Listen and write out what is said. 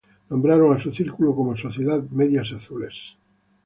Nombraron a su círculo como Sociedad Medias Azules.